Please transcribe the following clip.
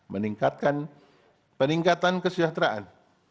meningkatkan peningkatan kesejahteraan